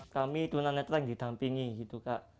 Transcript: kami itu nanya terang didampingi gitu kak